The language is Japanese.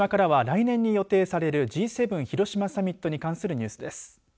広島からは来年に予定されるＧ７広島サミットに関するニュースです。